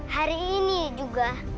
hari ini juga